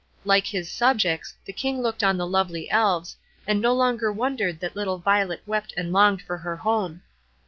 Like his subjects, the King looked on the lovely Elves, and no longer wondered that little Violet wept and longed for her home.